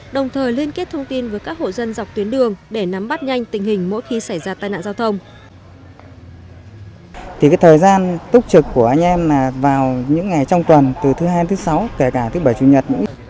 đồng thời liên kết thông tin với các hộ dân dọc tuyến đường để nắm bắt nhanh tình hình mỗi khi xảy ra tai nạn giao thông